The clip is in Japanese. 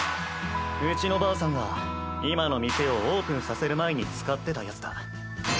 うちのばあさんが今の店をオープンさせる前に使ってたやつだ。